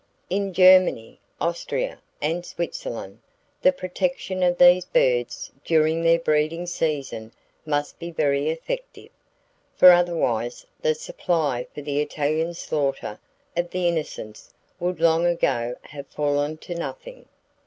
In Germany, Austria, and Switzerland, the protection of these birds during their breeding season must be very effective, for otherwise the supply for the Italian slaughter of the Innocents would long ago have fallen to nothing.